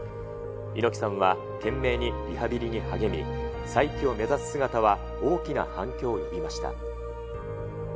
猪木さんは、懸命にリハビリに励み、再起を目指す姿は、大きな反響を呼びました。